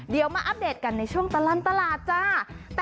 เดี๋ยวมาอัปเดตกันในช่วงตลอดตลาดจ้า